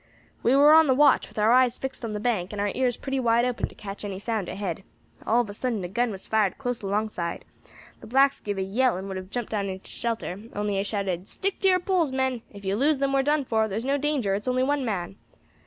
"We war on the watch, with our eyes fixed on the bank, and our ears pretty wide open to catch any sound ahead. All of a sudden a gun was fired close alongside. The blacks gave a yell, and would have jumped down into shelter, only I shouted, 'Stick to your poles, men; if you lose them we are done for; there's no danger, it's only one man.'